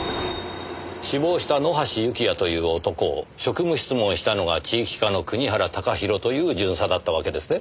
死亡した野橋幸也という男を職務質問したのが地域課の国原貴弘という巡査だったわけですね。